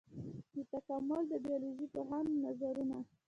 د تکامل د بيولوژي پوهانو نظرونه.